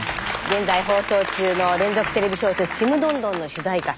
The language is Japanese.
現在放送中の連続テレビ小説「ちむどんどん」の主題歌